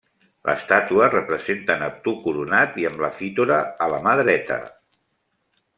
L'estàtua representa Neptú coronat i amb la fitora a la mà dreta.